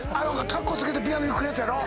カッコつけてピアノ弾くやつやろ。